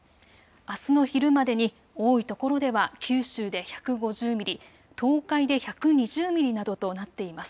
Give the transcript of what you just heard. あすの昼までに多いところでは九州で１５０ミリ、東海で１２０ミリなどとなっています。